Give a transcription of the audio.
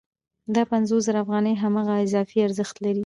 دا پنځوس زره افغانۍ هماغه اضافي ارزښت دی